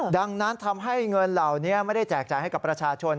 ดังนั้นทำให้เงินเหล่านี้ไม่ได้แจกจ่ายให้กับประชาชน